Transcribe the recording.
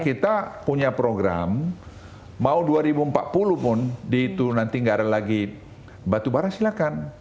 kita punya program mau dua ribu empat puluh pun nanti nggak ada lagi batubara silahkan